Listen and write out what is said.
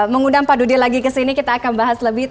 mengundang pak dudi lagi kesini kita akan bahas lebih